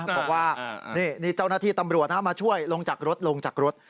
บอกว่านี่เจ้าหน้าที่ตำรวจมาช่วยลงจากรถลงจากรถ